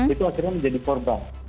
itu akhirnya menjadi korban